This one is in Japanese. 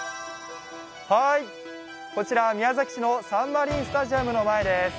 こちら宮崎のサンマリンスタジアムの前です。